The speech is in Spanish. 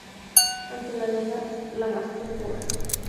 Ante la duda, la más tetuda